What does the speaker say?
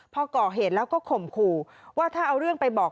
พอก่อเหตุแล้วก็ข่มขู่ว่าถ้าเอาเรื่องไปบอก